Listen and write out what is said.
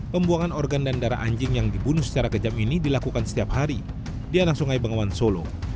pembuangan organ dan darah anjing yang dibunuh secara kejam ini dilakukan setiap hari di anak sungai bengawan solo